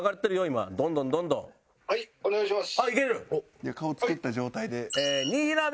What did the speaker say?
じゃあ顔作った状態で。